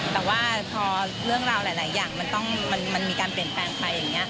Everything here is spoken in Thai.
แต่ว่าพอเรื่องราวหลายอย่างมันมีการเปลี่ยนแปลงไปอย่างนี้